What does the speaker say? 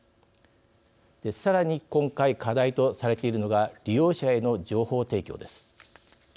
さらに、今回課題とされているのが利用者への情報提供です。